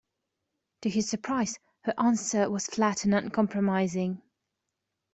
To his surprise, her answer was flat and uncompromising.